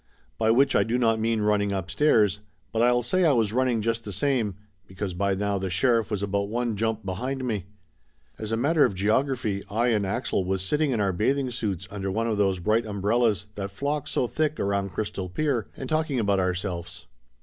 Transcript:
By which I do not mean run ning upstairs, but I'll say I was running just the same, because by now the sheriff was about one jump behind me. As a matter of geography, I and Axel was sitting in our bathing suits under one of those bright um brellas that flock so thick around Crystal Pier, and talking about ourselfs.